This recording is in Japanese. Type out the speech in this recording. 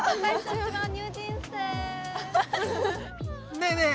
ねえねえ